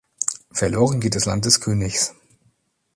Verloren geht das Land des Königs.